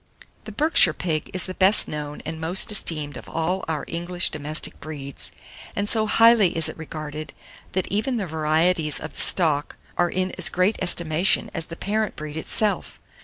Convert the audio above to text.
[Illustration: BERKSHIRE SOW.] 781. THE BERKSHIRE PIG IS THE BEST KNOWN AND MOST ESTEEMED of all our English domestic breeds, and so highly is it regarded, that even the varieties of the stock are in as great estimation as the parent breed itself.